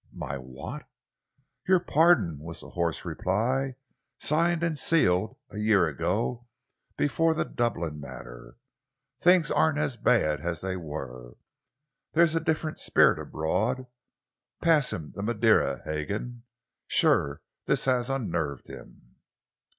"My what?" "Your pardon," was the hoarse reply, "signed and sealed a year ago, before the Dublin matter. Things aren't as bad as they were! There's a different spirit abroad. Pass him the Madeira, Hagan. Sure, this has unnerved him!"